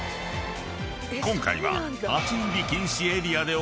［今回は］